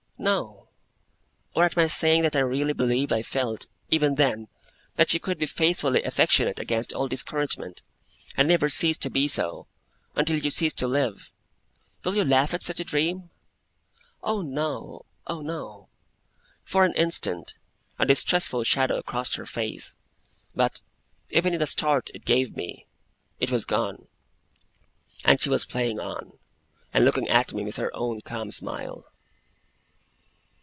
'No!' 'Or at my saying that I really believe I felt, even then, that you could be faithfully affectionate against all discouragement, and never cease to be so, until you ceased to live? Will you laugh at such a dream?' 'Oh, no! Oh, no!' For an instant, a distressful shadow crossed her face; but, even in the start it gave me, it was gone; and she was playing on, and looking at me with her own calm smile.